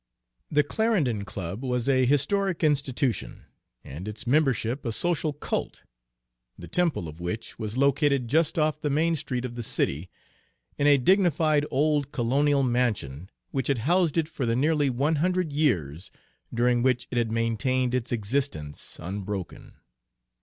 The Clarendon Club was a historic institution, and its membership a social cult, the temple of which was located just off the main street of the city, in a dignified old colonial mansion which had housed it for the nearly one hundred years during which it had maintained its existence unbroken.